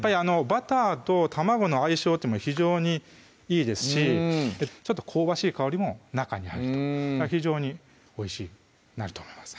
バターと卵の相性って非常にいいですしちょっと香ばしい香りも中に入ると非常においしくなると思います